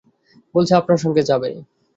বলছে আপনার সঙ্গে যাবে।